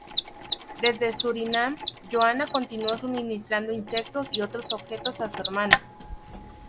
Desde Surinam, Johanna continuó suministrando insectos y otros objetos a su hermana.